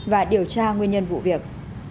và điều tra nguyên nhân vụ việc